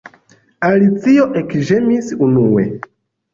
Alicio ekĝemis enue.